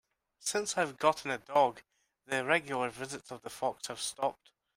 Since I've gotten a dog, the regular visits of the fox have stopped.